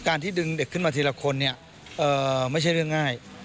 ที่ดึงเด็กขึ้นมาทีละคนเนี่ยไม่ใช่เรื่องง่าย